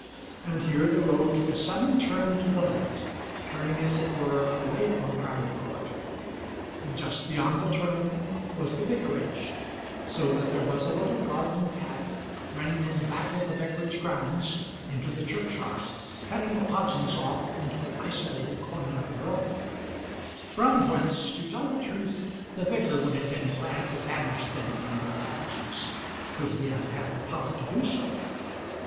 And here the road took a sudden turn to the left, turning, as it were, away from Framley Court; and just beyond the turn was the vicarage, so that there was a little garden path running from the back of the vicarage grounds into the churchyard, cutting the Podgenses off into an isolated corner of their own; from whence, to tell the truth, the vicar would have been glad to banish them and their cabbages, could he have had the power to do so.